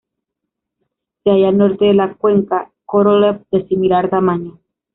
Se halla al norte de la cuenca Korolev, de similar tamaño.